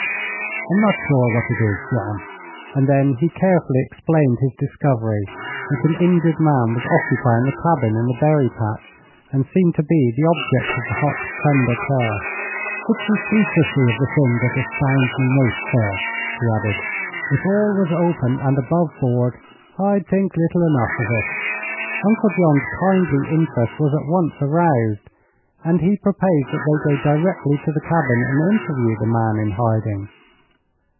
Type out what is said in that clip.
"I'm not sure what it is, John." And then he carefully explained his discovery that an injured man was occupying the cabin in the berry patch, and seemed to be the object of the Hucks' tender care. "It's the secrecy of the thing that astounds me most, sir," he added. "If all was open and above board, I'd think little enough of it." Uncle John's kindly interest was at once aroused, and he proposed that they go directly to the cabin and interview the man in hiding.